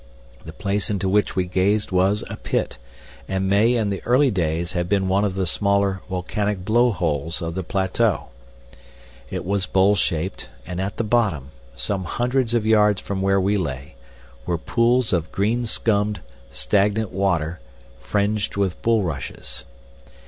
The place into which we gazed was a pit, and may, in the early days, have been one of the smaller volcanic blow holes of the plateau. It was bowl shaped and at the bottom, some hundreds of yards from where we lay, were pools of green scummed, stagnant water, fringed with bullrushes.